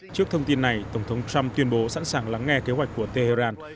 trước thông tin này tổng thống trump tuyên bố sẵn sàng lắng nghe kế hoạch của tehran